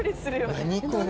何これ！